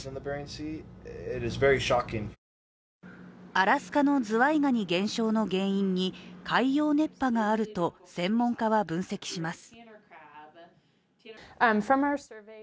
アラスカのズワイガニ減少の原因に海洋熱波があると専門家は分析します。